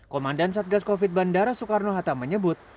komandan satgas covid bandara soekarno hatta menyebut